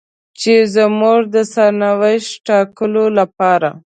چې زموږ د سرنوشت ټاکلو لپاره.